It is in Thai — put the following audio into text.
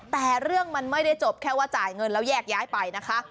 แต่เรื่องมันไม่ได้จบแค่ว่าจ่ายเงินแล้วแยกย้ายไปนะคะ